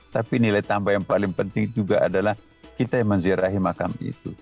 tapi nilai tambah yang paling penting juga adalah kita yang menziarahi makam itu